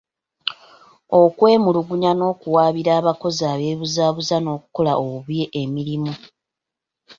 Okwemulugunya n'okuwaabira abakozi abeebuzabuza n'okukola obubi emirimu.